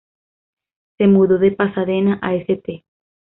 Se mudó de Pasadena a St.